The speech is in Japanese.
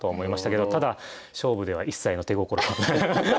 ただ勝負では一切の手心は。